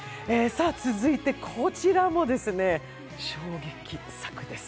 続いてこちらも衝撃作です。